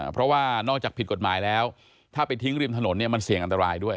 เพราะว่านอกจากผิดกฎหมายแล้วถ้าไปทิ้งริมถนนเนี่ยมันเสี่ยงอันตรายด้วย